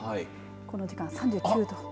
この時間、３９度。